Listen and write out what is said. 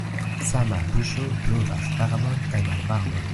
Sama buŝo blovas varmon kaj malvarmon.